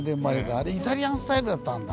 あれイタリアンスタイルだったんだ。